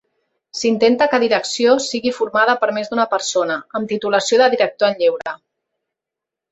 S'intenta que direcció sigui formada per més d'una persona, amb titulació de director en Lleure.